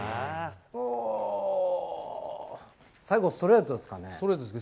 最後、ストレートですかね。